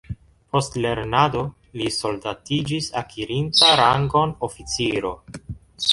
Post lernado li soldatiĝis akirinta rangon oficiro.